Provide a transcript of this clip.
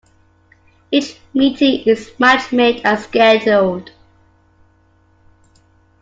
Each meeting is match-made and scheduled.